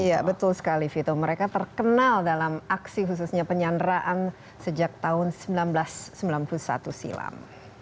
iya betul sekali vito mereka terkenal dalam aksi khususnya penyanderaan sejak tahun seribu sembilan ratus sembilan puluh satu silam